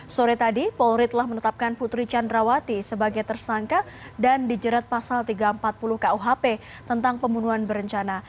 sore tadi polri telah menetapkan putri candrawati sebagai tersangka dan dijerat pasal tiga ratus empat puluh kuhp tentang pembunuhan berencana